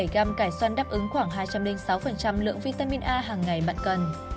sáu mươi bảy gram cải xoăn đáp ứng khoảng hai trăm linh sáu lượng vitamin a hàng ngày bạn cần